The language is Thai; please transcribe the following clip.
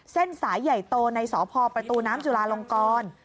เส้นสายใหญ่โตในสพประตูน้ำจุลาลงกร